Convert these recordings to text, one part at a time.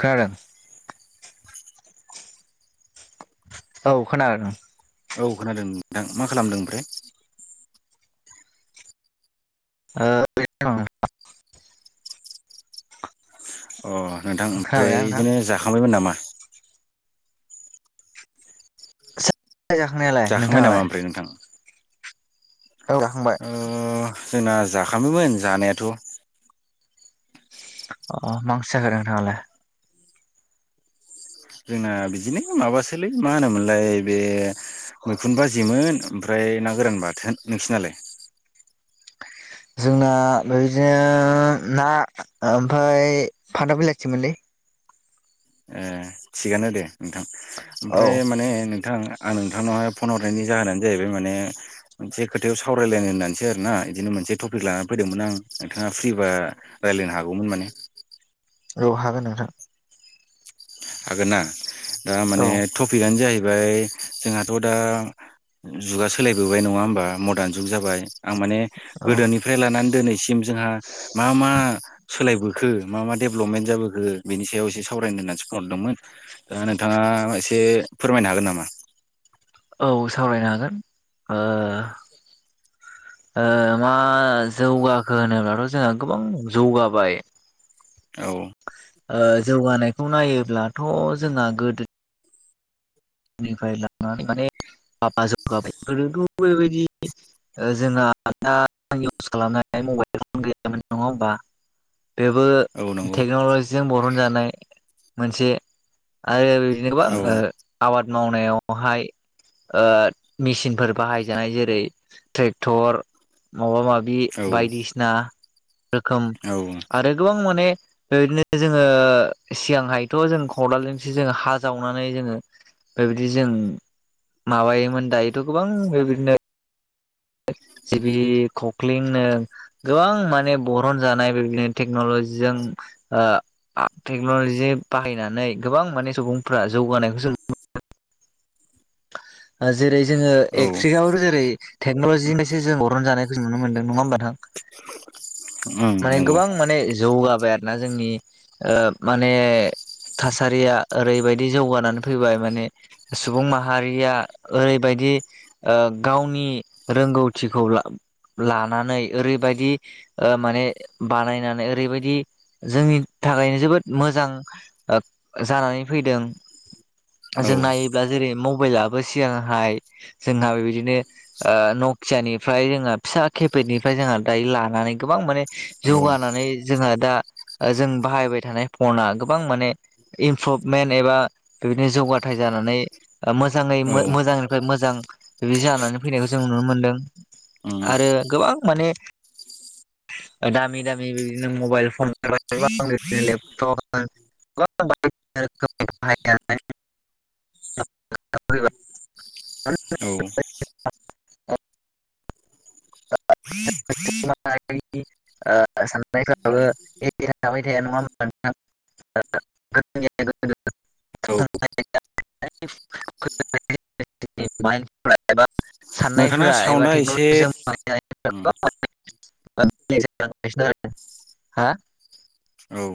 खोनादो औ खोनागादों औ खोनादों नोंथां मा खालामदों ओमफ्राय ओ बे अ नोंथां ओमफ्राय खोनाबायना नोंथां? इदिनो जाखांबायमोन नामा? जाखांबाय जाखांनायालाय जाखांबाय नामा नोंथाङालाय? ओमफ्राय नोंथां। औ हांबाय अम जोंना जाखाबायमोन जानायाथ' अ मा ओंख्रि जाखो नोंथाङालाय जोंना बिदिनो माबासोलै मा होनोमोनलाय बे मैखुन बाजेमोन ओमफ्राय ना गोरान बाथोन नोंसिनालाय जोंना बेबायदिनो ना ओमफ्राय फाथो बिलाइ सोमोनलै ए थिगानो दे नोंथां औ ओमफ्राय माने नोंथां आं नोंथांनावहाय फन हरनायनि जाहोनानो जाहैबाय माने मोनसे खोथायाव सावरायलायनो होननानैसो आर ना बिदिनो मोनसे टपिक लानानै फैदोंमोन आं नोंथाङा फ्रिबा रायलायनो हागौमोन माने औ हागोन नोंथां हागोनना दा औ माने टपिकआनो जाहैबाय जोंहाथ' दा जुगा सोलायबोबाय नङा होमबा मदार्न जुग जाबाय आं माने औ। गोदोनिफ्राय लानानै दिनैसिम जोंहा मा मा सोलायबोखो मा मा डेभेलपमेन्ट जाबोखो बेनि सायाव एसे सावरायनो होननानैसो फनहरदोंमोन दा नोंथाङा एसे फोरमायनो हागोन नामा औ सावरायनो हागोन ओ ओ मा जौगाखो होनोब्लाथ' जोंहा गोबां जौगाबाय औ ओ जौगानायखौ नायोब्लाथ' जोंना गोदो निफ्राय लनानै माने बाबा जौगाबाय गोदोथ बेबायदि ओ जोंना दा इउस खालामनाय मबाइल फन गैयामोन नङा होमबा बेबो औ नंगौ टेक्न'लजिजों बरहन जानाय मोनसे [unintelligible] जेनेबा औ ओ आबाद मावनायावहाय ओ मेसिनफोर बाहायजानाय जेरै ट्रेक्टर माबा माबि बि बायदिसिना रोखोम औ आरो गोबां माने बेबायदिनो जोङो सिगांहायथ' जों खदालजोंसो जों हा जावनानै जोङो बेबायदि जों माबायोमोन दायोथ' गोबां बेबायदिनो सिबिं खखलिं नों गोबां माने बरन जानाय बेबायदिनो टेक्न'लजिजों ओ टेक्न'लजि बाहायनानै गोबां माने सुबुंफोरा जौगानायखौसो जेरै जोङो औ एकट्रिकआवनो जेरै टेक्नलजिनिफायसो जों अरन जानायखौ नुनो मोनदों नङा होमबा नोंथां ओम माने नंगौ गोबां माने जौगाबाय आरोना जोंनि ओ माने थासारिया ओरैबायदि जौगानानै फैबाय माने सुबुं माहारिया ओरैबायदि ओ गावनि रोंगौथिखौ लानानै ओरैबायदि ओ माने बानायनानै ओरैबायदि जोंनि थाखायनो जोबोद मोजां ओ जानानै फैदों औ जों नाय दा जेरै मबाइलाबो सिगांहाय जोंहा बेबायदिनो ओ नकियानिफ्राय जोंहा फिसा खेपेटनिफ्राय जोंहा दायो लानानै गोबां माने औ जौगानानै जोंहा दा जों बाहायबाय थानाय फना गोबां माने इमप्रभमेन्ट एबा बेबायदिनो जौगाथाय जानानै मोजाङै ओम मोजांनिफ्राय मोजां बिदि जानानै फैनायखौ जों नुनो मोनदों औ आरो गोबां माने दामि-दामि बिदिनो मबाइल फन [unintelligible] लेपटप [unintelligible] औ [inaudible] साननायफ्राबो थाबाय थाया नङा [inaudible] औ [inaudible] म एबा नोंथांना साननायफोरा एबा साउन्डआ एसे टेक्नलजिजोंों ओम [inaudible] औ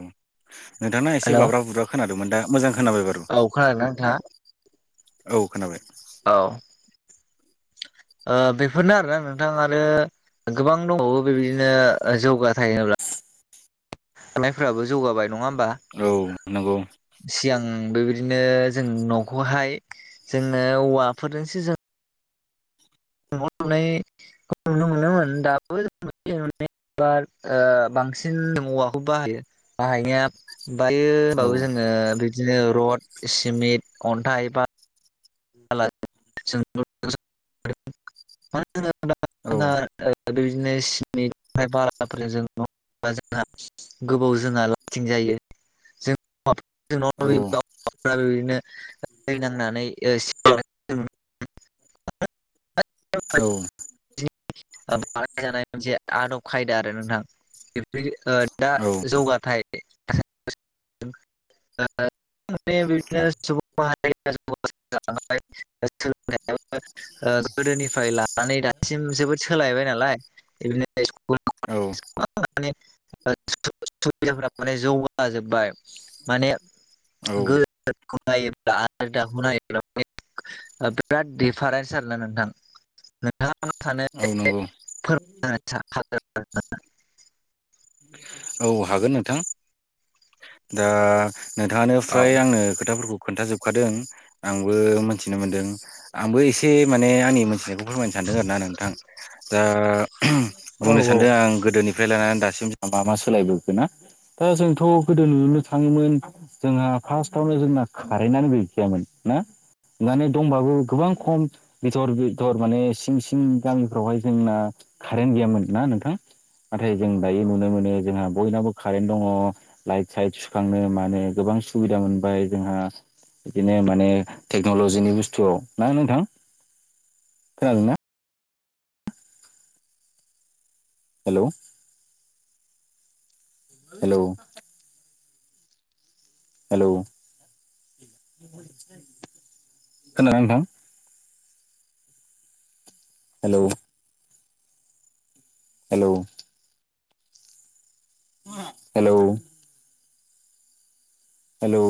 नोंथां एसे हेलौ बाब्रा बुुब्रा खोनादोंमोन दा मोजां खोनाबाय बारु औ खोनादोंना नोंथां आ औ खोनाबाय औ बेफोरनो आरोना नोंथां आरो गोबां दङावो बेबायदिनो जौगा थाहब्ला नायफोराबो जौगाबाय नङा होमबा औ नंगौ सिगां बेबायदिनो जों न'खौहाय जोङो औवाफोरजोंसो जों ननायखौ मोनोमोन दाबो जार बांसिन औवाखौ बाहायो बाहायनाया बायो औ होनबाबो जोङो बिदिनो रड सिमेन्ट अन्थाइ एबा [inaudible] औ बेबायदिनो सिनि बालाफोर जों जोंहा गोबाव जोंहा लास्टिं जायो जों बिदिनो औ दै नांनानै [unintelligible] औ [inaudible] औ बानायजानाय मोनसे आदब खायदा आरो नोंथां बेफोर [inaudible] दा औ जौगाथायाइ [inaudible] ने [unintelligible] जाय [inaudible] गोदोनिफ्राय लानानै दासिम जोबोद सोलायबाय नालाय इभ इ्कुल [unintelligible] औ माने सुबिदाफ माने जौगाजोब्बाय माने [inaudible] औ गो ख आदा ह [inaudible] बिराद दिडिफारेन्स आरोना नोंथां नोंथाङां सानो [inaudible] औ नांगौ फोरम हाग [inaudible] औ हागोन नोंथां दा नोंथाङानो औ फ्राय आंनो खोथाफोरखौ खोन्थाजोबखादों आंबो मोनथिनो मोनदों आंबो एसे माने आंनि मोनथिनायखौ फोरमायनो सानदों आरोना नोंथां दा औ बुंनो औ सानदों आं गोदोनिफ्राय लानानै दासिम मा मा सोलायबोखोना दा जोंथ' गोदो नुनो थाङोमोन जोंहा फार्स्टावनो जोंना खारेन्टआनो गैखायामोन ना? माने दंबाबो गोबां खम बिथर बिथर माने सिं सिं गामिफ्रावहाय जोंना कारेन्ट गैयामोन ना नोंथां? नाथाय जों दायो नुनो मोनो जोंहा बयनावबो कारेन्ट दङ लाइट साइट सुखांनो मानो गोबां सुबिदा मोनबाय जोंहा बिदिनो माने टेक्न'लजिनि बुस्थुआव ना नोंथां खोनादोंनाा हेल' हेलौ हेलौ खोनादोंना नोंथां? Hello hello hello hello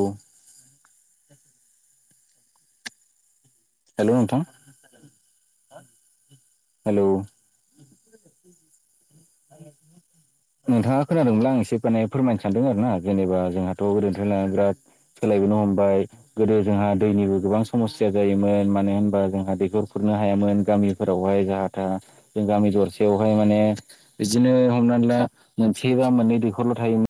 hello नोंथां? हेलौ आरो नोंथाङा खोनादोंमोन आं एसे माने फोरमायनो सानदों आरोना जेनेबा जोंहाथ' ओरैनिफ्राय ला बिराद सोलायबोनो हमबाय गोदो जोंहा दैनिबो गोबां समस्या जायोमोन मानो होनबा जोंहा दैखर खुरनो हायामोन गामि फोरावहाय जाहा था जों गामि दरसेयावहाय माने बिदिनो हमनानै ला मोनसे बा मोननै दैखरल' थायोमोन।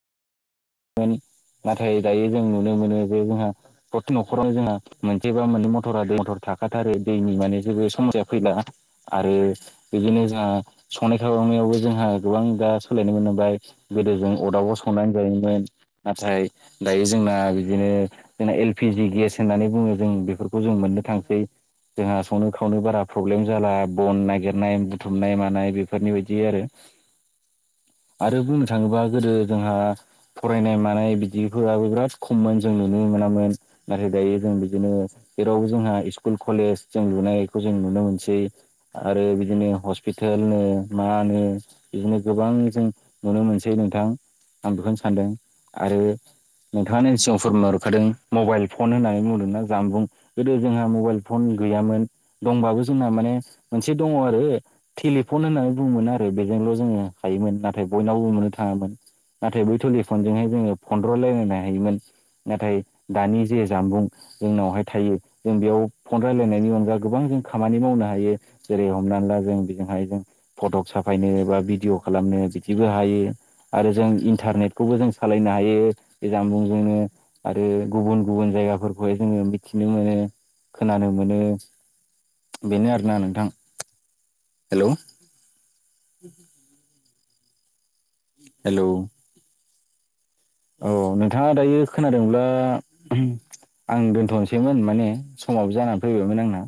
नाथाय दायो जों नुनो मोनो जे जोंहा प्रतिक न'खरावनो जोंहा मोनसेबा मोननै मथर दै मथर थाखाथारो दैनि माने जेबो समस्या फैला। आरो बिदिनो जोंहा संनाय खावनायावबो जोंहा गोबां दा सोलायबो नुबाय। गोदो जों अरदाबाव संनानै जायोमोन नाथाय दायो जोंना बिदिनो जोंना एलपिजि गेस होननानै बुङो जों बेफोरखौ जों मोननो थांसै। जोंहा संनो खावनो बारा प्रब्लेम जाला बन नागिरनाय बुथुमनाय मानाय बेफोरनि बायदि आरो। आरो बुंनो थाङोबा गोदो जोंहा फरायनाय मानाय बिदिफोराबो बिराद खममोन जों नुनो मोनामोन। नाथाय दायो जों बिदिनो जेरावबो जोंहा स्कुल कलेज जों लुनायखौ जों नुनो मोनसै। आरो बिदिनो हस्पिटेल नो मा होनो बिदिनो गोबां जों नुनो मोनसै नोंथां आं बेखौनो सानदों आरो नोंथाङानो [unintelligible] फोरमहरखादों मबाइल फन होननानै बुंदोंना जानबुं गोदो जोंहा मबाइल फन गैयामोन दंबाबो जोंना माने मोनसे दङ आरो टेलिफन होननानै बुङोमोन आरो बेजोंल' जोङो हायोमोन नाथाय बयनावबो मोननो थाङामोन। नाथाय बै टलिफनजोंहाय जोङो फन्द्र' रायलायनो हायोमोन। नाथाय दानि जे जामबुं जोंनावहाय थायो जों बेयाव फन रायलायनायनि अनगा गोबां जों खामानि मावनो हायो। जेरै हमनानै ला जों बेजोंहाय जों फटक साफायनो बा भिडिअ खालामनो बिदिबो हायो आरो जों इन्टारनेट खौबो जों सालायनो हायो बे जानबुंजोंनो। आरो गुबुन गुबुन जायगाफोरखौहाय जोङो मिथिनो मोनो खोनानो मोनो। बेनो आरोना नोंथां। हेल' हेलौ औ नोंथाङा दायो खोनादोंब्ला आं दोनथ'नोसैमोन माने समाव जानानै फैबायमोन आंना।